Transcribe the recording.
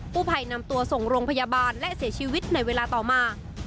ผู้ภัยนำตัวส่งโรงพยาบาลและเสียชีวิตในเวลาต่อมา